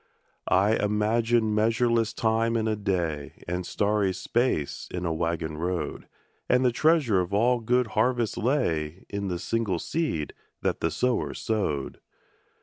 I imagined measureless time in a day, And starry space in a waggon road, And the treasure of all good harvests lay In the single seed that the sower sowed.